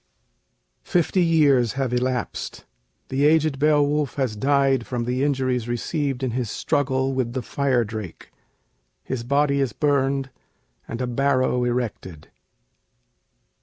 [Fifty years have elapsed. The aged Beowulf has died from the injuries received in his struggle with the Fire Drake. His body is burned, and a barrow erected.